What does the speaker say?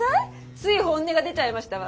つい本音が出ちゃいましたわ。